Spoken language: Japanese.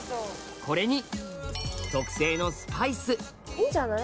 これに特製のスパイスいいんじゃない？